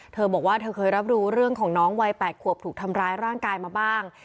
เธอบอกว่าเธอเคยรับรู้เรื่องของน้องวัย๘ขวบถูกทำร้ายร่างกายมาบ้าง